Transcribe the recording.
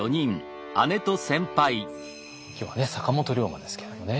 今日は坂本龍馬ですけれどもね。